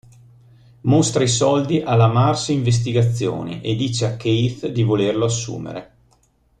Mostra i soldi alla Mars Investigazioni e dice a Keith di volerlo assumere.